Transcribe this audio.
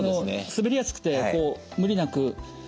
滑りやすくて無理なく。